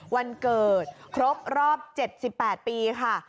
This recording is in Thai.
วันเกิดครบรอบ๗๘ปีค่ะ